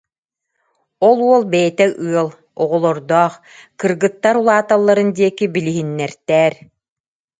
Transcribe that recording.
Ол уол бэйэтэ ыал, оҕолордоох, кыргыттар улааталларын диэки билиһиннэртээр